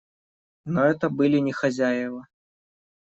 Но это были не хозяева.